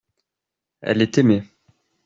Elle est aimée.